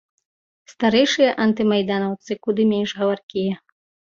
Старэйшыя антымайданаўцы куды менш гаваркія.